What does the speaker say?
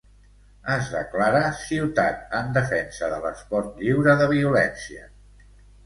Es declara Ciutat en Defensa de l'Esport Lliure de Violència.